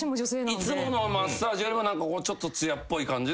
いつものマッサージよりもちょっと艶っぽい感じの触り方？